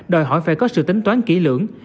đòi hỏi phải có sự tính toán kỹ lưỡng